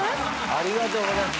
ありがとうございます。